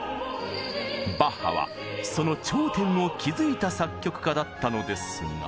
バッハはその頂点を築いた作曲家だったのですが。